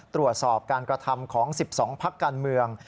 ตรวจสอบการกระทำของ๑๒พักการเมือง